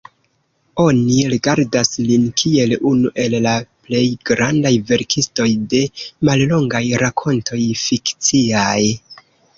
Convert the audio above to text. Oni rigardas lin kiel unu el la plej grandaj verkistoj de mallongaj rakontoj fikciaj.